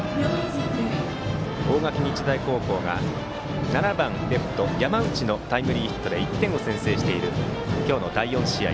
大垣日大高校が７番レフト、山内のタイムリーヒットで１点を先制している第４試合。